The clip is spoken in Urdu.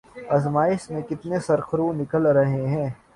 آزمائش میں کتنے سرخرو نکل رہے ہیں۔